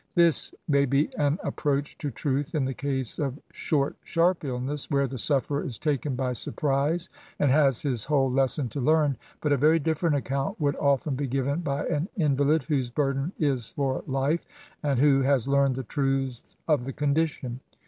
This may be an approach to truth in the case of short sharp illness, where the sufferer is taken by surprise, and has his whole lesson to learn ; but a very different account would often be given by an invalid whose burden is for life, and who has learned the truths of the condition.